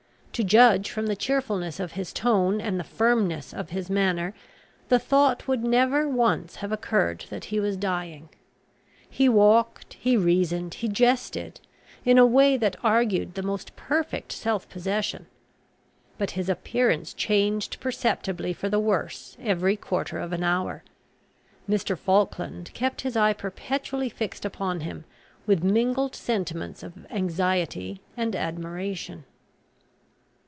To judge from the cheerfulness of his tone and the firmness of his manner, the thought would never once have occurred that he was dying. He walked, he reasoned, he jested, in a way that argued the most perfect self possession. But his appearance changed perceptibly for the worse every quarter of an hour. Mr. Falkland kept his eye perpetually fixed upon him, with mingled sentiments of anxiety and admiration.